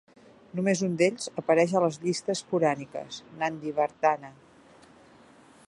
Només un d'ells apareix a les llistes puràniques: Nandivardhana.